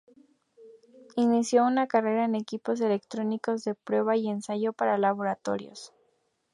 Inició una carrera en equipos electrónicos de prueba y ensayo para laboratorios.